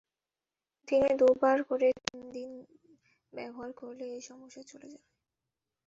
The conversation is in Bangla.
দিনে দুবার করে দুই তিন দিন ব্যবহার করলেই এই সমস্যা চলে যাবে।